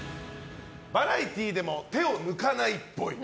バラエティーでも手を抜かないっぽい。